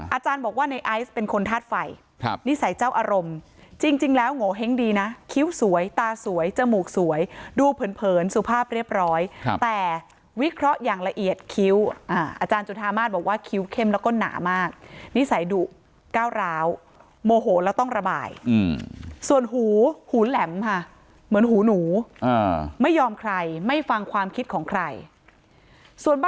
อาจารย์บอกว่าในไอซ์เป็นคนธาตุไฟนิสัยเจ้าอารมณ์จริงแล้วโงเห้งดีนะคิ้วสวยตาสวยจมูกสวยดูเผินสุภาพเรียบร้อยแต่วิเคราะห์อย่างละเอียดคิ้วอาจารย์จุธามาศบอกว่าคิ้วเข้มแล้วก็หนามากนิสัยดุก้าวร้าวโมโหแล้วต้องระบายส่วนหูหูแหลมค่ะเหมือนหูหนูไม่ยอมใครไม่ฟังความคิดของใครส่วนบ